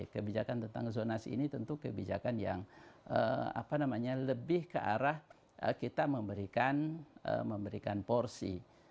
kebijakan tentang zonasi ini tentu kebijakan yang lebih ke arah kita memberikan porsi